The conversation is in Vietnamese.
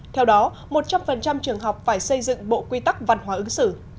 theo đó một trăm linh trường học phải xây dựng bộ quy tắc văn hóa ứng xử